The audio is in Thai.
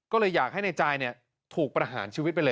ก็เลยอยากให้ในจายถูกประหารชีวิตไปเลย